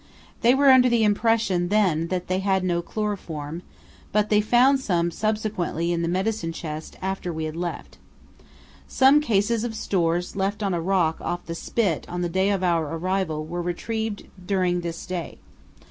They were under the impression then that they had no chloroform, but they found some subsequently in the medicine chest after we had left. Some cases of stores left on a rock off the spit on the day of our arrival were retrieved during this day.